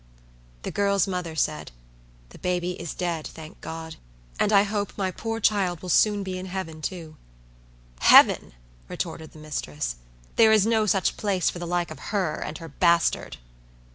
The girl's mother said, "The baby is dead, thank God; and I hope my poor child will soon be in heaven, too." "Heaven!" retorted the mistress. "There is no such place for the like of her and her bastard."